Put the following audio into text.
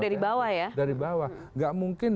dari banwas ya dari banwas gak mungkin